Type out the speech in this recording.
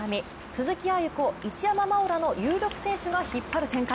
鈴木亜由子、一山麻緒らの有力選手が引っ張る展開。